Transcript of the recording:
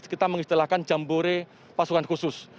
kita mengistilahkan jambore pasukan khusus